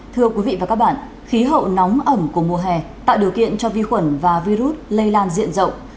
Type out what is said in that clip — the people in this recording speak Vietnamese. thưa quý vị và các bạn khí hậu nóng ẩm của mùa hè tạo điều kiện cho vi khuẩn và virus lây lan diện rộng